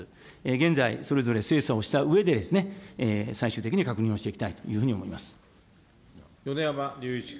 現在、それぞれ精査をしたうえで、最終的に確認をしていきたいとい米山隆一君。